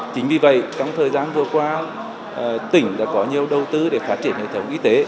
chính vì vậy trong thời gian vừa qua tỉnh đã có nhiều đầu tư để phát triển hệ thống y tế